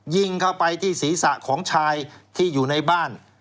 ยิงเข้าไปที่ศีรษะของชายที่อยู่ในบ้าน